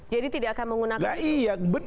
jadi tidak akan menggunakan